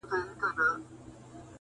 • هر څوک خپل درد لري تل..